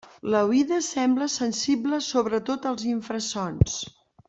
L'oïda sembla sensible sobretot als infrasons.